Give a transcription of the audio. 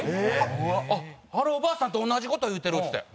あのおばあさんと同じ事言うてるっつって。